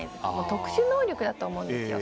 特殊能力だと思うんですよ。